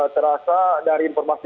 terasa dari informasi